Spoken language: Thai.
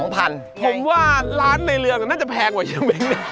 ผมว่าร้านในเรืองน่าจะแพงกว่าช่างมิ้ง